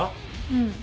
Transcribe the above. うん。